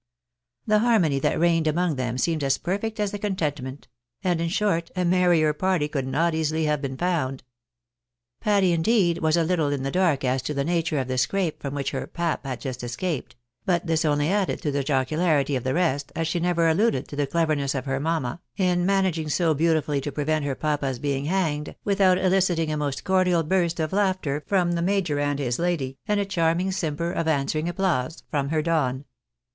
The harmony that reigned among them seemed as perfect as the contentment ; and in short, a merrier party could not easily have been found. Patty, indeed, was a little in the dark as to the nature of the scrape from which her " pap" had just escaped ; but 314 THE BAENABYS IN AMERICA. this only added to tlie jocukrity of the rest, as she never alluded to the cleverness of her mamma, in managing so beautifully to prevent her papa's being hanged, without eliciting a most cordial burst of laughter from the major and the lady, and a charming simper of answering applause from her Don.